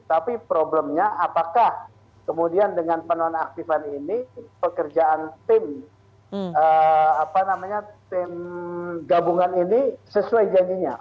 tapi problemnya apakah kemudian dengan penonaktifan ini pekerjaan tim gabungan ini sesuai janjinya